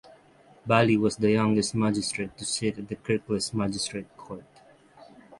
Bali was the youngest magistrate to sit at the Kirklees Magistrate Court.